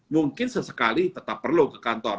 mungkin sesekali tetap perlu ke kantor